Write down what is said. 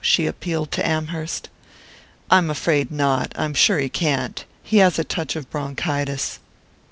she appealed to Amherst. "I'm afraid not; I am sure he can't. He has a touch of bronchitis."